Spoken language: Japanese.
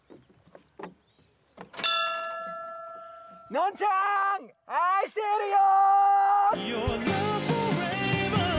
のんちゃん愛してるよ！